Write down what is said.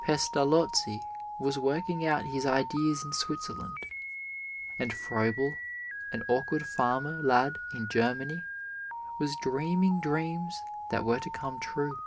Pestalozzi was working out his ideas in Switzerland, and Froebel, an awkward farmer lad in Germany, was dreaming dreams that were to come true.